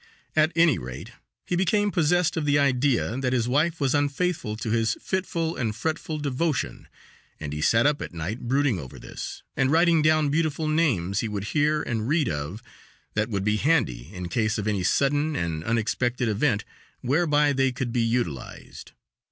At any rate, ho became possessed of the idea that his wife was unfaithful to his fitful and fretful devotion, and he sat up at night brooding over this, and writing down beautiful names he would hear and read of, that would be handy in case of any sudden and unexpected event whereby they could be utilized.